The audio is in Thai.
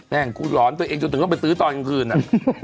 แม่งกูหลอนตัวเองจนถึงต้องไปซื้อตอนกลางคืน